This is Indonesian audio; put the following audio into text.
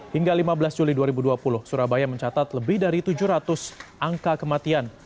hingga lima belas juli dua ribu dua puluh surabaya mencatat lebih dari tujuh ratus angka kematian